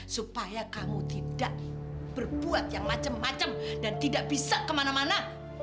supaya kamu tidak berbuat yang macam macam dan tidak bisa kemana mana